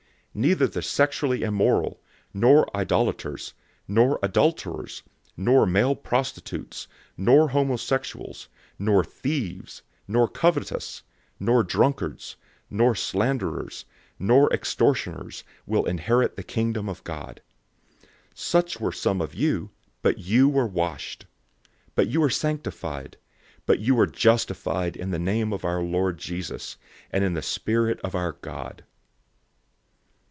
Neither the sexually immoral, nor idolaters, nor adulterers, nor male prostitutes, nor homosexuals, 006:010 nor thieves, nor covetous, nor drunkards, nor slanderers, nor extortioners, will inherit the Kingdom of God. 006:011 Such were some of you, but you were washed. But you were sanctified. But you were justified in the name of the Lord Jesus, and in the Spirit of our God.